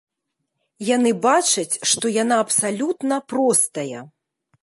Яны бачаць, што яна абсалютна простая.